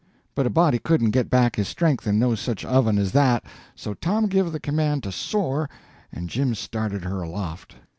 But a body couldn't get back his strength in no such oven as that, so Tom give the command to soar, and Jim started her aloft.